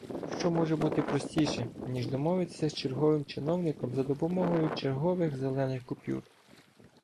Що може бути простіше, ніж домовитися з черговим чиновником за допомогою чергових зелених купюр?